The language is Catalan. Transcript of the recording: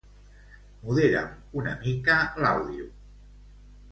Modera'm una mica l'àudio.